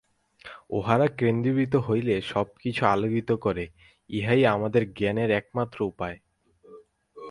উহারা কেন্দ্রীভূত হইলেই সব কিছু আলোকিত করে, ইহাই আমাদের জ্ঞানের একমাত্র উপায়।